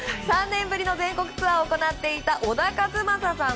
３年ぶりの全国ツアーを行っていた小田和正さん。